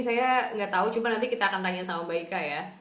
saya nggak tahu cuma nanti kita akan tanya sama mbak ika ya